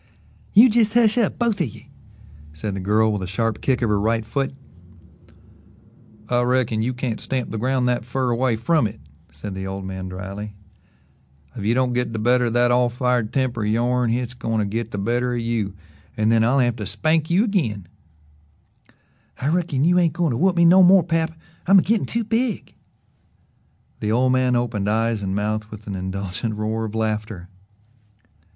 "You jes' hush up both of ye," said the girl with a sharp kick of her right foot. "I reckon you can't stamp the ground that fer away from it," said the old man dryly. "If you don't git the better of that all fired temper o' yourn hit's goin' to git the better of you, an' then I'll have to spank you agin." "I reckon you ain't goin' to whoop me no more, pap. I'm a gittin' too big." The old man opened eyes and mouth with an indulgent roar of laughter.